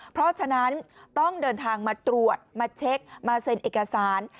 เพราะฉะนั้นต้องเดินทางมาตรวจมาเช็คมาเซ็นเอกสาร